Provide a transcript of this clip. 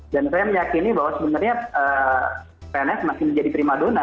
dan saya meyakini bahwa sebenarnya pns masih menjadi prima dona